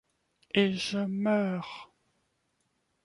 Et je meurs !